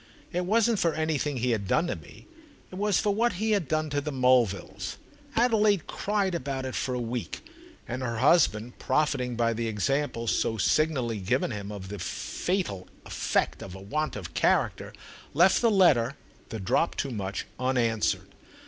It wasn't for anything he had done to me; it was for what he had done to the Mulvilles. Adelaide cried about it for a week, and her husband, profiting by the example so signally given him of the fatal effect of a want of character, left the letter, the drop too much, unanswered.